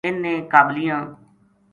اِن نے قابلیاں